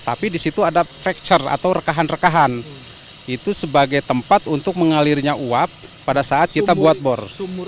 jadi itu adalah tempat yang sangat keras untuk mengalir uap pada saat kita buat bor